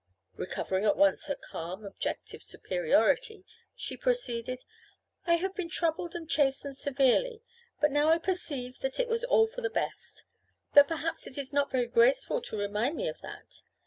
Recovering at once her calm objective superiority, she proceeded: "I have been troubled and chastened severely, but now I perceive that it was all for the best. But perhaps it is not very graceful to remind me of that.